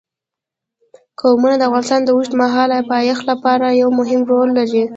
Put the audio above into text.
قومونه د افغانستان د اوږدمهاله پایښت لپاره یو مهم رول لري.